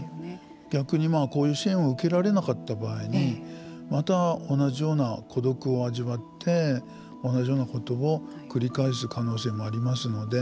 逆にこういう支援を受けられなかった場合にまた、同じような孤独を味わって同じようなことを繰り返す可能性もありますので。